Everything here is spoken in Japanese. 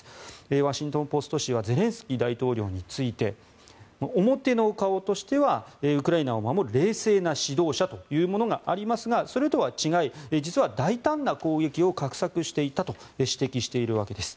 ワシントン・ポスト紙はゼレンスキー大統領について表の顔としてはウクライナを守る冷静な指導者というものがありますがそれとは違い実は大胆な攻撃を画策していたと指摘しているわけです。